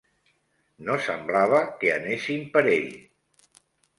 No semblava que anessin per ell.